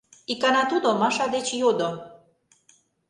Икана тудо Маша деч йодо: